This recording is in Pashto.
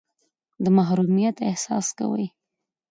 د محرومیت احساس کوئ.